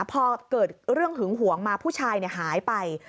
พอเกิดเรื่องหึงหวงมาผู้ชายหายไป